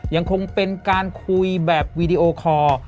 ยังคงเป็นการคุยแบบวีดีโอคอร์